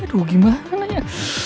aduh gimana ya